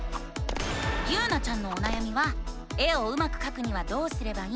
ゆうなちゃんのおなやみは「絵をうまくかくにはどうすればいいの？」